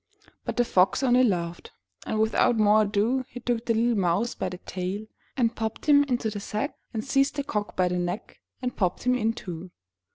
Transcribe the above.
But the Fox only laughed, and without more ado he took the little mouse by the tail, and popped him into the sack, and seized the Cock by the neck and popped him in too.